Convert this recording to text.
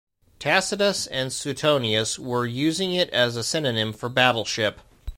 Tacitus and Suetonius were using it as a synonym for battle ship.